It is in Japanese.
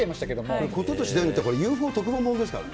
これ、事と次第によっては、ＵＦＯ特番ものですからね。